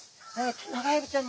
テナガエビちゃん！